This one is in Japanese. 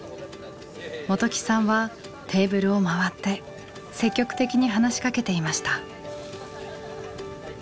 元起さんはテーブルを回って積極的に話しかけていました。